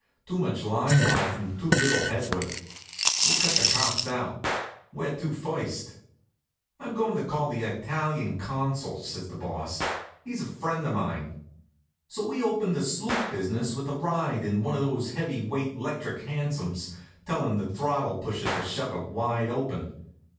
"Too much lime light and too little headwork. We'll cut the cops out. Where to first?" "I'm going to call on the Italian consul," says the Boss. "He's a friend of mine." So we opened the sloot business with a ride in one of those heavy weight 'lectric hansoms, telling the throttle pusher to shove her wide open.